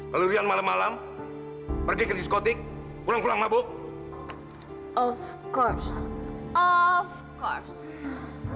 lalu rian malam malam pergi ke diskotik pulang pulang mabuk of course of course